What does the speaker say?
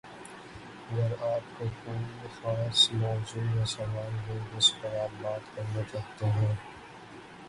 اگر آپ کو کوئی خاص موضوع یا سوال ہے جس پر آپ بات کرنا چاہتے ہیں